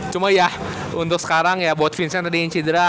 cuma ya untuk sekarang ya buat vincent tadi yang cedera